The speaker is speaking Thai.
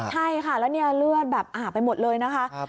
ใช่ค่ะแล้วเนี่ยเลือดแบบอาบไปหมดเลยนะคะ